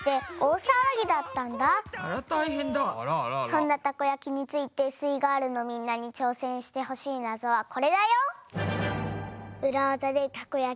そんなたこ焼きについてすイガールのみんなに挑戦してほしいナゾはこれだよ！